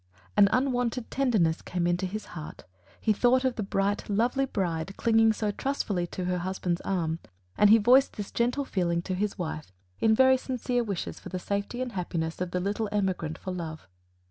An unwonted tenderness came into his heart; he thought of the bright, lovely bride clinging so trustfully to her husband's arm, and he voiced this gentle feeling to his wife in very sincere wishes for the safety and happiness of the little emigrant for Love.